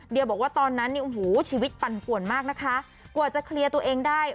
เดี๋ยวบอกว่าตอนนั้นเนี่ยโอ้โหชีวิตปั่นป่วนมากนะคะกว่าจะเคลียร์ตัวเองได้